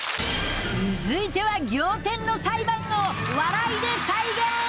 続いては仰天の裁判を笑いで再現！